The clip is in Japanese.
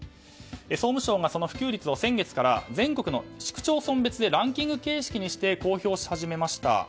総務省が普及率を全国の市区町村別でランキング形式にして公表し始めました。